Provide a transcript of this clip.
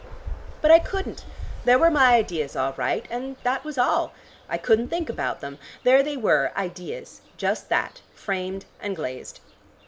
But I couldn't. There were my ideas all right, and that was all. I couldn't think about them. There they were, ideas: just that, framed and glazed."